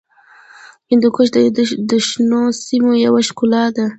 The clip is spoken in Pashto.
هندوکش د شنو سیمو یوه ښکلا ده.